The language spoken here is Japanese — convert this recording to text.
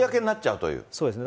そうですね。